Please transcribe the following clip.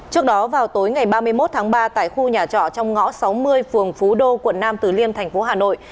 trước đó vào tối ngày ba mươi một tháng ba tại khu nhà trọ trong ngõ sáu mươi phường phú đô quận nam từ liêm tp hà nội